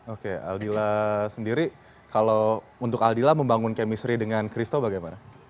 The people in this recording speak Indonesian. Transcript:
oke aldila sendiri kalau untuk aldila membangun chemistry dengan christo bagaimana